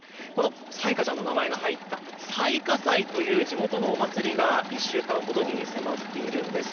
彩夏ちゃんの名前が入った彩夏祭という地元のお祭りが１週間ほどに待っているんです。